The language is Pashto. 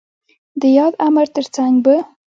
د ياد امر تر څنګ ب